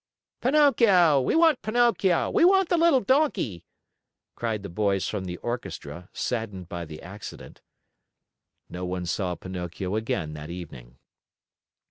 "Pinocchio! We want Pinocchio! We want the little Donkey!" cried the boys from the orchestra, saddened by the accident. No one saw Pinocchio again that evening.